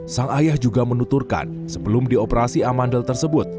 sang ayah juga menuturkan sebelum di operasi amandel tersebut